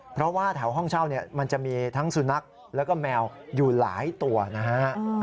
เพราะว่าแถวห้องเช่าเนี่ยมันจะมีทั้งสุนัขแล้วก็แมวอยู่หลายตัวนะฮะ